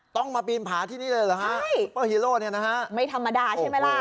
ต้องมาปีนผาที่นี่เลยเหรอฮะใช่เปอร์ฮีโร่เนี่ยนะฮะไม่ธรรมดาใช่ไหมล่ะ